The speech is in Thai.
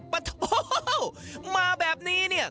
ปะโทมาแบบนี้เนี่ย